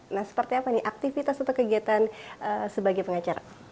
nah seperti apa nih aktivitas atau kegiatan sebagai pengacara